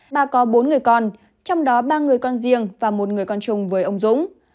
bà có bốn người con trong đó ba người con riêng và một người con chung với ông dũng